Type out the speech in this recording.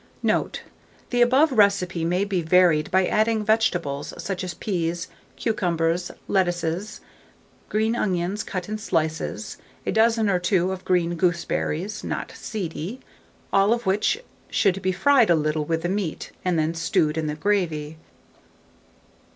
Note. The above recipe may be varied, by adding vegetables, such as peas, cucumbers, lettuces, green onions cut in slices, a dozen or two of green gooseberries (not seedy), all of which should be fried a little with the meat, and then stewed in the gravy.